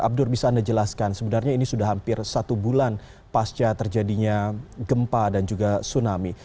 abdur bisa anda jelaskan sebenarnya ini sudah hampir satu bulan pasca terjadinya gempa dan juga tsunami